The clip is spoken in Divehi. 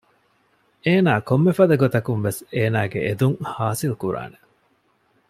އޭނާ ކޮންމެފަދަ ގޮތަކުންވެސް އޭނާގެ އެދުން ހާސިލްކުރާނެ